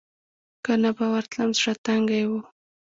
که نه به ورتلم زړه تنګۍ و.